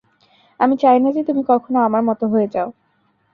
আমি চাই না যে তুমি কখনো আমার মতো হয়ে যাও।